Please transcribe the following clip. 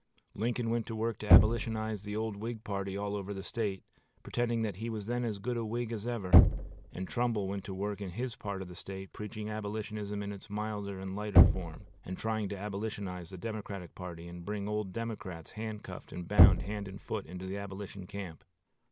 Lincoln went to work to Abolitionize the old Whig party all over the State, pretending that he was then as good a Whig as ever; and Trumbull went to work in his part of the State preaching Abolitionism in its milder and lighter form, and trying to Abolitionize the Democratic party and bring old Democrats handcuffed and bound hand and foot into the Abolition camp.